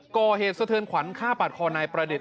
ก่อเหตุสะเทินขวัญฆ่าปาดคอนายประดิษฐ